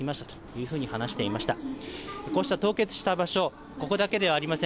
こうした凍結した場所、ここだけではありません。